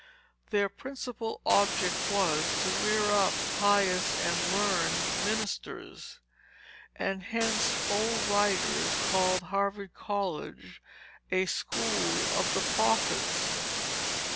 Their principal object was, to rear up pious and learned ministers; and hence old writers call Harvard College a school of the prophets."